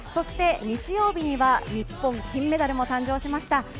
日曜日には日本金メダルも誕生しました。